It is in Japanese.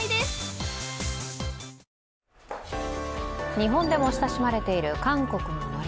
日本でも親しまれている韓国ののり。